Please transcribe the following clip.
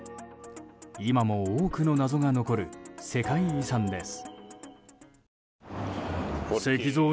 今も多くの謎が残る世界遺産です。